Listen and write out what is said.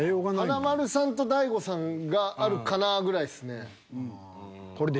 華丸さんと大悟さんがあるかなぐらいですね。